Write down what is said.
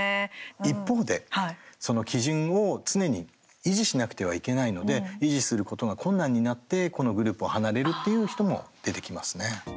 一方で、その基準を常に維持しなくてはいけないので維持することが困難になってこのグループを離れるっていう人も出てきますね。